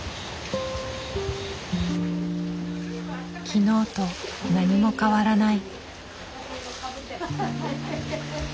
昨日と何も変わらない。